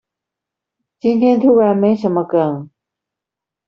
今天突然沒什麼梗